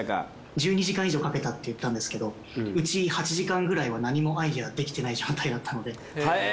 １２時間以上かけたって言ったんですけど内８時間くらいは何もアイデアできてない状態だったので。